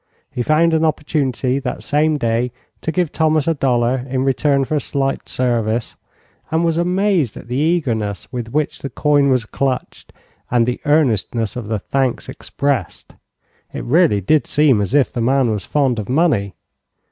He found an opportunity that same day to give Thomas a dollar in return for a slight service, and was amazed at the eagerness with which the coin was clutched and the earnestness of the thanks expressed. It really did seem as if the man was fond of money.